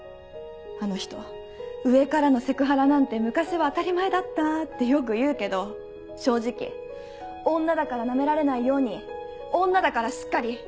あの人上からのセクハラなんて昔は当たり前だったってよく言うけど正直「女だからナメられないように」「女だからしっかり」